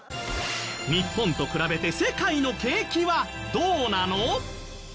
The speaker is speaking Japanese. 日本と比べて世界の景気はどうなの？